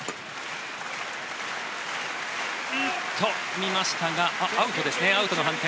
見ましたがアウトの判定。